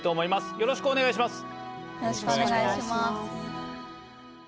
よろしくお願いします。